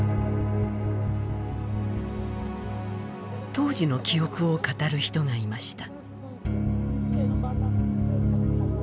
当時の記憶を語る人がいました。